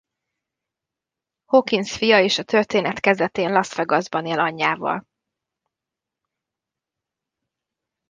Hawkins fia és a történet kezdetén Las Vegasban él anyjával.